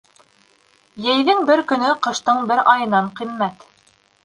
Йәйҙең бер көнө ҡыштың бер айынан ҡиммәт.